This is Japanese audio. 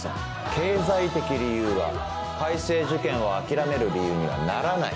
経済的理由は開成受験を諦める理由にはならない。